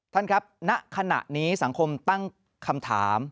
ท่านครับณขณะนี้สังคมตั้งคำถาม